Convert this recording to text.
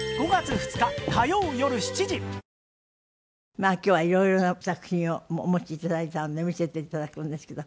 まあ今日は色々な作品をお持ち頂いたので見せて頂くんですけど。